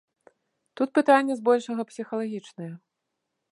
Тут пытанне збольшага псіхалагічнае.